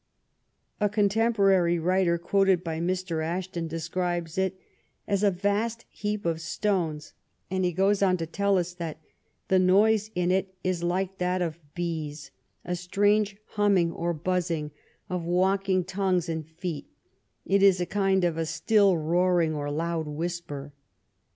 A contemporary writer quoted by Mr. Ash ton describes it as ^^ a vast heap of Stones,'' and he goes on to tell us that " the Noise in it is like that of Bees; a strange Humming or Buzzing, of walking 185 THE EEIGN OF QUEEN ANNE tongues and feet; it is a kind of a still Boaring, or loud Whisper."